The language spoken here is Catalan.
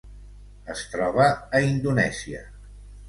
Es troba a Indonèsia.